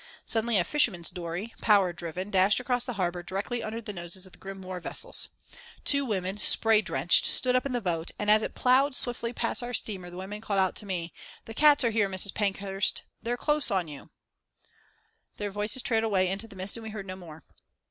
Suddenly a fisherman's dory, power driven, dashed across the harbour, directly under the noses of the grim war vessels. Two women, spray drenched, stood up in the boat, and as it ploughed swiftly past our steamer the women called out to me: "The Cats are here, Mrs. Pankhurst! They're close on you " Their voices trailed away into the mist and we heard no more.